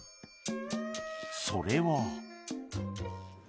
それは